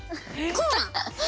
コーラ！